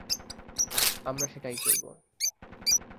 আমরা সেটাই করব।